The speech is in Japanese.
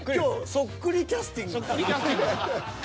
そっくりキャスティング。